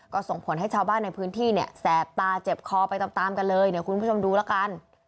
ก็ส่งผลให้ชาวบ้านในพื้นที่เนี่ยแสบตาเจ็บคอไปตามกันเลยเนี่ยคุณผู้ชมดูแล้วกัน